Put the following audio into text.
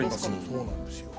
そうなんですよ。